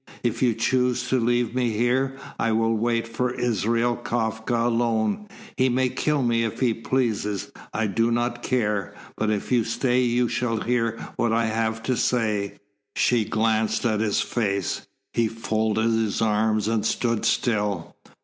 If you choose to leave me here, I will wait for Israel Kafka alone. He may kill me if he pleases. I do not care. But if you stay you shall hear what I have to say." She glanced at his face. He folded his arms and stood still.